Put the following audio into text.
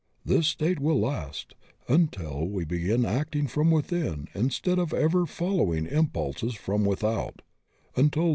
This state will last ... until we begin acting from within instead of ever following impulses from without